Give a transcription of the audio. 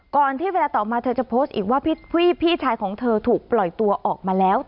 ก่อนที่เวลาต่อมาเธอจะโพสต์อีกว่าพี่ชายของเธอถูกปล่อยตัวออกมาแล้ว